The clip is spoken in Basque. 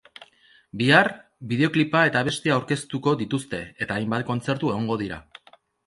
Bihar, bideoklipa eta abestia aurkeztuko dituzte, eta hainbat kontzertu egongo dira.